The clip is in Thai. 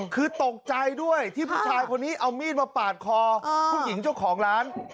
คือตกใจด้วยที่ผู้ชายคนนี้เอามีดมาปาดคอผู้หญิงเจ้าของร้าน